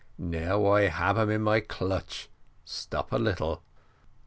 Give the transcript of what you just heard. Now, I hab them in my clutch stop a little."